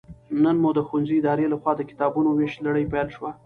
نن مو د ښوونځي ادارې لخوا د کتابونو ويش لړۍ پيل شوه